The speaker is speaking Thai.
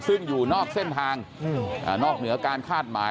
ซึ่งอยู่นอกเส้นทางนอกเหนือการคาดหมาย